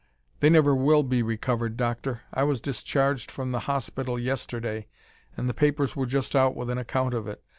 "They never will be recovered, Doctor. I was discharged from the hospital yesterday and the papers were just out with an account of it.